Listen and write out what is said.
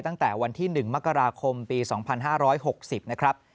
ตั้งแต่วันที่๑มกราคมปี๒๕๖๐นะครับ